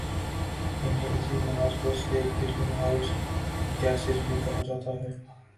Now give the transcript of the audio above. انہیں اسی مناسبت سے گرین ہاؤس گیسیں بھی کہا جاتا ہے